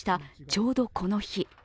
ちょうどこの日。